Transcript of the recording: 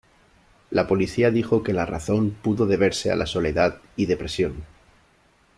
La policía dijo que la razón pudo deberse a la soledad y depresión.